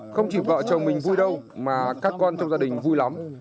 không chỉ vợ chồng mình vui đâu mà các con trong gia đình vui lắm